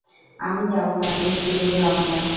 আমি যাবো না এই স্টুপিড ভ্রমনে।